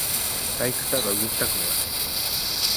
退屈だが動きたくもない